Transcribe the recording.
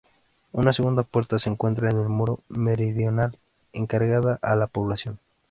Una segunda puerta se encuentra en el muro meridional, encarada a la población.